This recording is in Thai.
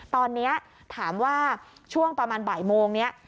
ตอนนี้ถามว่าช่วงประมาณบ่ายโมงนี้